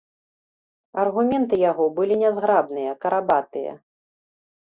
Аргументы яго былі нязграбныя, карабатыя.